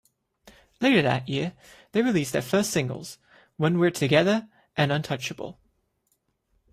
Later that year they released their first singles, "When We're Together" and "Untouchable".